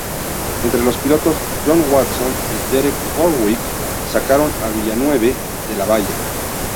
Entre los pilotos, John Watson y Derek Warwick sacaron a Villeneuve, de la valla.